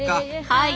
はい。